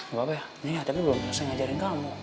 gak apa apa ya tapi belum selesai ngajarin kamu